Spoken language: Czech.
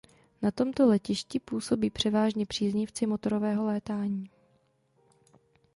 Na tomto letišti působí převážně příznivci motorového létání.